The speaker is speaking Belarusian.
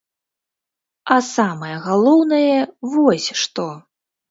А самае галоўнае вось што.